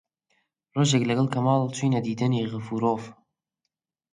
ڕۆژێک لەگەڵ کەمال چووینە دیدەنی غەفوورۆف